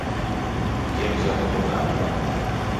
που γέμιζαν το ποτάμι